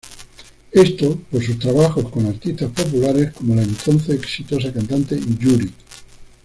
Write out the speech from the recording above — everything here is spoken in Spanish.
Esto, por sus trabajos con artistas populares, como la entonces exitosa cantante Yuri.